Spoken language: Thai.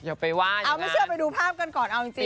เดี๋ยวไปว่าอย่างงั้นเอาไม่เชื่อไปดูภาพกันก่อนเอาจริง